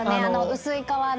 薄い皮の。